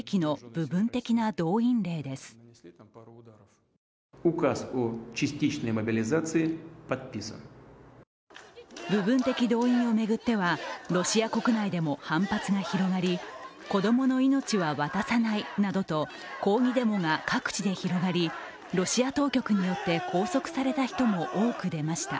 部分的動員を巡ってはロシア国内でも反発が広がり子供の命は渡さないなどと抗議デモが各地で広がりロシア当局によって拘束された人も多く出ました。